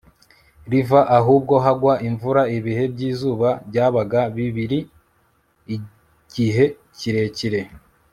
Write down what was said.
riva ahubwo hagwa imvura. ibihe by'izuba byabaga bibiri, igihe kirekire